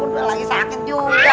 udah lagi sakit juga